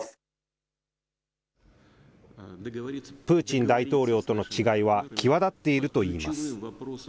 プーチン大統領との違いは際立っているといいます。